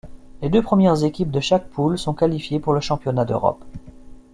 Les deux premières équipes de chaque poule sont qualifiées pour le championnat d'Europe.